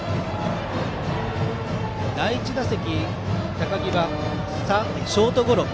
第１打席高木はショートゴロ。